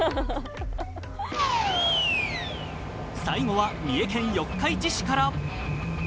最後は三重県四日市市から。